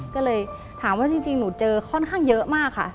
ก็เลยถามว่าจริงหนูเจอค่อนข้างเยอะมากค่ะ